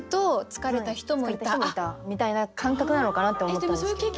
疲れた人もいたみたいな感覚なのかなって思ったんですけど。